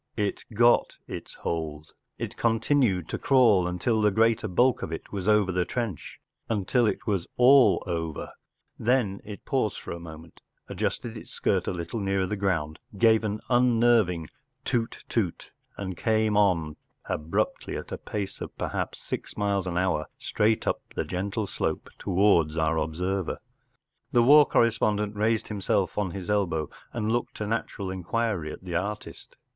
It got its hold. It continued to crawl until the greater bulk oi it was over the trench — until it was all over* Then it paused for a moment, adjusted its skirt a little nearer the ground, gave an unnerving “ toot, toot," and came on abruptly at a pace of, per¬ haps, six miles an hour straight up the gentle slope towards our observer. The war correspondent raised himself on his elbow and looked a natural inquiry at the artist.